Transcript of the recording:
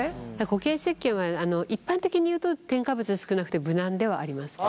固形せっけんは一般的にいうと添加物少なくて無難ではあります。